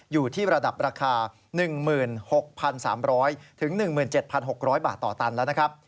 อยู่ที่ระดับราคา๑๖๓๐๐๑๗๖๐๐บาทต่อตันแล้วนะครับ